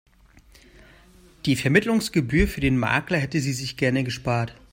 Die Vermittlungsgebühr für den Makler hätte sie sich gerne gespart.